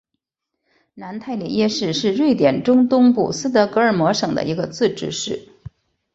南泰利耶市是瑞典中东部斯德哥尔摩省的一个自治市。